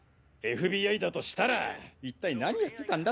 ＦＢＩだとしたら一体何やってたんだ